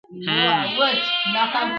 چي مجبور یې قلندر په کرامت کړ.!